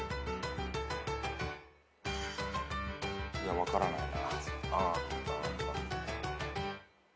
分からないな。